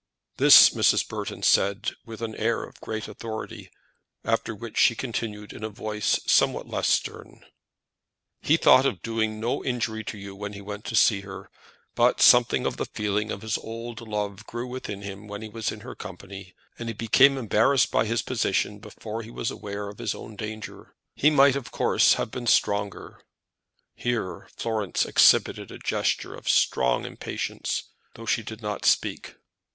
This Mrs. Burton said with the air of a great authority; after which she continued in a voice something less stern "He thought of doing no injury to you when he went to see her; but something of the feeling of his old love grew upon him when he was in her company, and he became embarrassed by his position before he was aware of his own danger. He might, of course, have been stronger." Here Florence exhibited a gesture of strong impatience, though she did not speak.